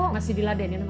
masih diladen ya namanya